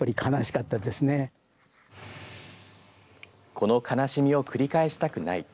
この悲しみを繰り返したくない。